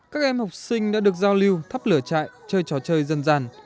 các em học sinh đã được giao lưu thắp lửa chạy chơi trò chơi dân gian